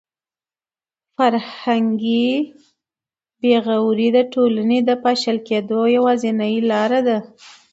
فرهنګي بې غوري د ټولنې د پاشل کېدو یوازینۍ لاره ده.